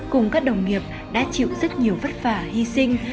cùng các đồng nghiệp đã chịu rất nhiều vất vả hy sinh